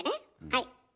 はい。